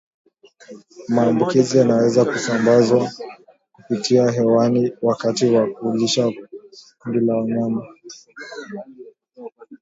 Maambukizi yanaweza kusambazwa kupitia hewani wakati wa kulisha kundi la wanyama